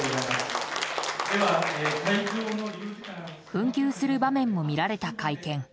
紛糾する場面も見られた会見。